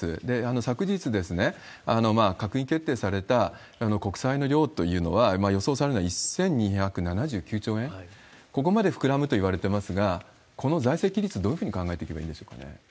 昨日、閣議決定された国債の量というのは、予想されるのは１２７９兆円、ここまで膨らむといわれてますが、この財政規律、どういうふうに考えていけばいいんでしょうかね？